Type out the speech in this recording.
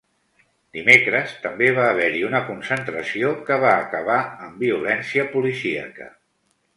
Dimecres també va haver-hi una concentració que va acabar amb violència policíaca.